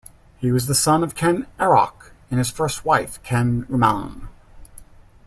He was the son of Ken Arok and his first wife, Ken Umang.